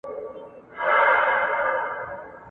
د خزان یا مني په موسم کي ..